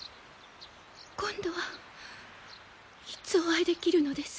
今度はいつお会いできるのです？